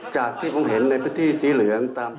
จากที่ผมเห็นในพื้นที่สีเหลือง